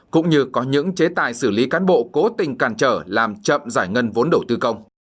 cũng như có những chế tài xử lý cán bộ cố tình càn trở làm chậm giải ngân vốn đầu tư công